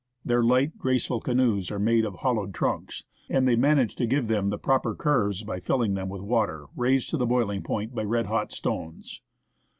Their light, graceful canoes are made of hollowed trunks, and they manage to give them the proper curves by filling them with water, raised to boiling point by red hot stones.